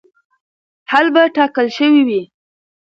حل به ټاکل شوی وي.